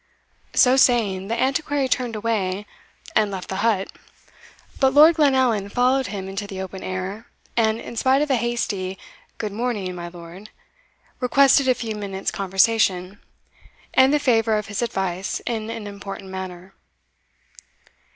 So saying, the Antiquary turned away, and left the hut; but Lord Glenallan followed him into the open air, and, in spite of a hasty "Good morning, my lord," requested a few minutes' conversation, and the favour of his advice in an important matter.